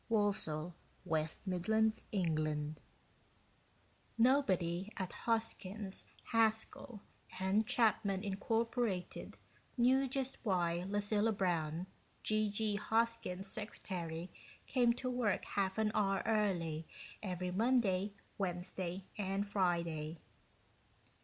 ILLUSTRATED BY SCHELLING Nobody at Hoskins, Haskell & Chapman, Incorporated, knew jut why Lucilla Brown, G.G. Hoskins' secretary, came to work half an hour early every Monday, Wednesday, and Friday.